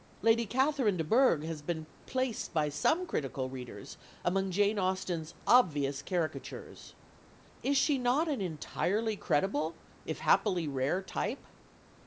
Lady Catherine de Bourgh has been placed by some critical readers among Jane Austen's obvious caricatures. Is she not an entirely credible, if happily rare, type?